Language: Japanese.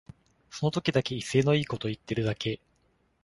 その時だけ威勢のいいこと言ってるだけ